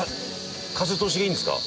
風通しがいいんですか？